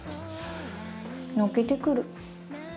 泣けてくる。